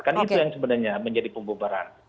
kan itu yang sebenarnya menjadi pembubaran